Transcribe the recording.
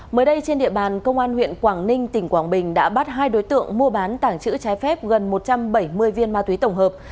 mới đây trên địa bàn công an huyện quảng ninh tỉnh quảng bình đã bắt hai đối tượng mua bán tảng chữ trái phép gần một trăm bảy mươi viên ma túy tổng hợp